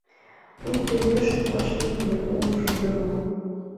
Пуйто йӧршын вашлийдыме, уждымо.